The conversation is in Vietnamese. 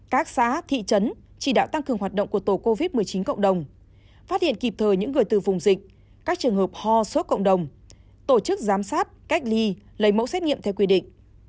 các xã thị trấn chỉ đạo tăng cường hoạt động của tổ covid một mươi chín cộng đồng phát hiện kịp thời những người từ vùng dịch các trường hợp ho sốt cộng đồng tổ chức giám sát cách ly lấy mẫu xét nghiệm theo quy định